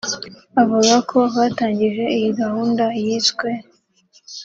Avuga ko batangije iyi gahunda yiswe